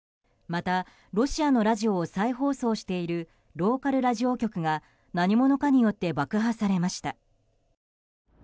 また、ロシアのラジオを再放送しているローカルラジオ局が何者かによって爆破されました。